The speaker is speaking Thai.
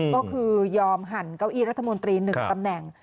ก็คือยอมหั่นเก้าอี้รัฐมนตรี๑ตำแหน่ง